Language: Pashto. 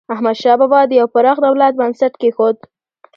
احمدشاه بابا د یو پراخ دولت بنسټ کېښود.